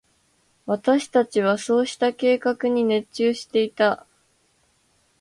私達はそうした計画に熱中していた。